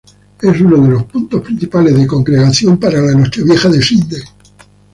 Es uno de los puntos principales de congregación para la Nochevieja de Sídney.